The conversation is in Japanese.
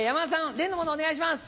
例のものをお願いします。